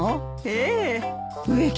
ええ。